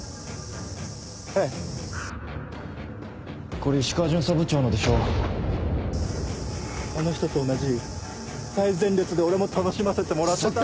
これ石川巡査部長のでしょあの人と同じ最前列で俺も楽しませてもらってた。